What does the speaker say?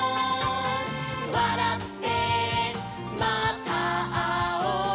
「わらってまたあおう」